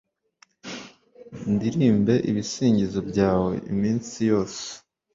ndirimbe ibisingizo byawe iminsi yose